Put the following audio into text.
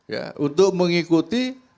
ya untuk mengikuti